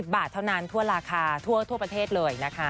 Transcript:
บาทเท่านั้นทั่วราคาทั่วประเทศเลยนะคะ